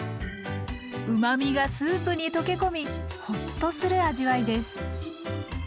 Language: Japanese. うまみがスープに溶け込みホッとする味わいです。